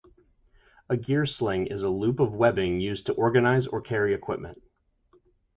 A gear sling is a loop of webbing used to organize or carry equipment.